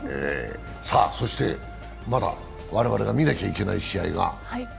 そして、まだ我々が見なきゃいけない試合が。